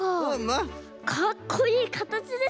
かっこいいかたちですねえ。